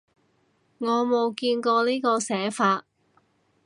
我冇見過呢個寫法